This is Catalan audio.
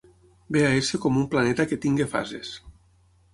Ve a ésser com un planeta que tingui fases…